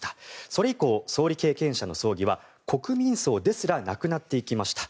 それ以降、総理経験者の葬儀は国民葬ですらなくなっていきました。